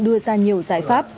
đưa ra nhiều giải pháp